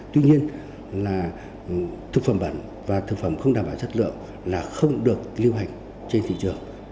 tuy nhiên là thực phẩm bẩn và thực phẩm không đảm bảo chất lượng là không được lưu hành trên thị trường